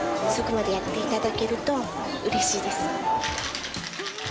遅くまでやって頂けるとうれしいです。